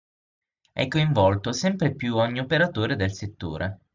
Ha coinvolto sempre più ogni operatore del settore.